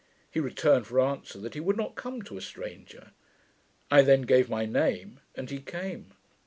He returned for answer, 'that he would not come to a stranger'. I then gave my name, and he came.